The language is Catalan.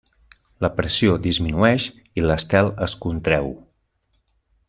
La pressió disminueix i l'estel es contreu.